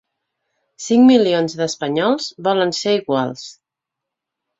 Cinc milions d’espanyols volen ser iguals.